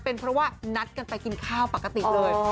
เป็นเพราะว่านัดกันไปกินข้าวปกติเลย